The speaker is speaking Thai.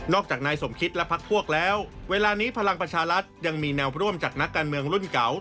จากนายสมคิดและพักพวกแล้วเวลานี้พลังประชารัฐยังมีแนวร่วมจากนักการเมืองรุ่นเก่า